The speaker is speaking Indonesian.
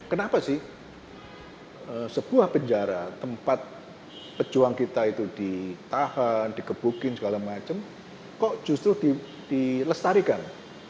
kenapa sih sebuah penjara tempat pejuang kita itu ditahan dikebukin segala macam kok justru dilestarikan